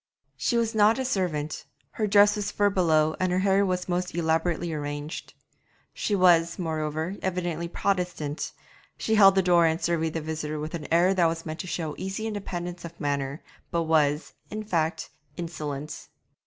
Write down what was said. She was not a servant, her dress was fur belowed and her hair was most elaborately arranged. She was, moreover, evidently Protestant; she held the door and surveyed the visitor with an air that was meant to show easy independence of manner, but was, in fact, insolent.